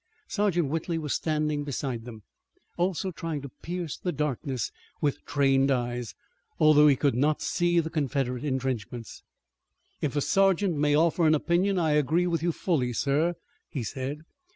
Sergeant Whitley was standing beside them, also trying to pierce the darkness with trained eyes, although he could not see the Confederate intrenchments. "If a sergeant may offer an opinion I agree with you fully, sir," he said.